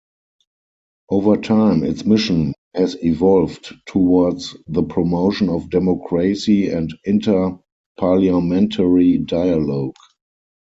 Over time, its mission has evolved towards the promotion of democracy and inter-parliamentary dialogue.